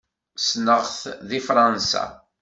Ssneɣ-t deg Fṛansa.